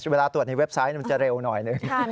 เวลาตรวจในเว็บไซต์มันจะเร็วหน่อยหนึ่ง